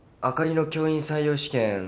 あかりの教員採用試験